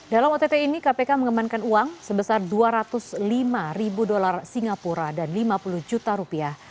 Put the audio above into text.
dalam ott ini kpk mengembangkan uang sebesar dua ratus lima ribu dolar singapura dan lima puluh juta rupiah